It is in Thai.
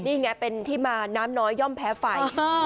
นี่ไงเป็นที่มาน้ำน้อยย่อมแพ้ไฟ